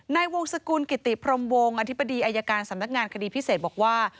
ในวงสกุลกิติพรมวงอธิบดีอายการสำนักงานคดีพิเศษบอกว่า